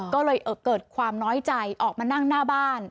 ก็เลยเกิดความน้อยใจออกมานั่งหน้าบ้าน